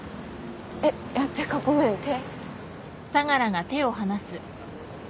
えっいやてかごめん手。